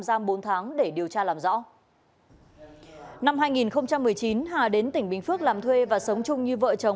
giam bốn tháng để điều tra làm rõ năm hai nghìn một mươi chín hà đến tỉnh bình phước làm thuê và sống chung như vợ chồng